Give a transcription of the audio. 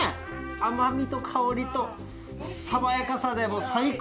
甘みと香りとさわやかさでもう最高。